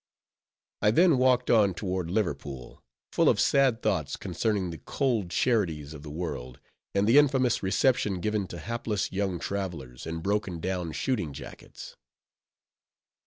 I then walked on toward Liverpool, full of sad thoughts concerning the cold charities of the world, and the infamous reception given to hapless young travelers, in broken down shooting jackets.